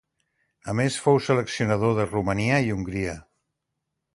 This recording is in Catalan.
A més fou seleccionador de Romania i Hongria.